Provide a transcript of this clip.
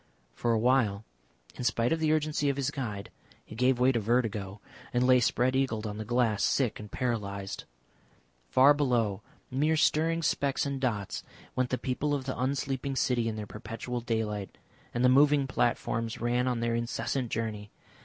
For awhile, in spite of the urgency of his guide, he gave way to vertigo and lay spread eagled on the glass, sick and paralysed. Far below, mere stirring specks and dots, went the people of the unsleeping city in their perpetual daylight, and the moving platforms ran on their incessant journey.